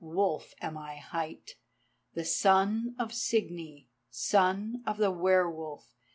Wolf am I hight, The son of Signy, Son of the were wolf.